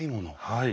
はい。